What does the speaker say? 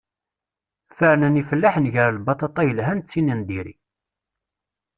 Fernen yifellaḥen gar lbaṭaṭa yelhan d tin n diri.